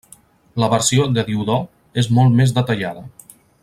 La versió de Diodor és molt més detallada.